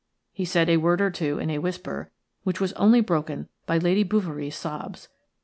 He said a word or two in a whisper, which was only broken by Lady Bouverie's sobs.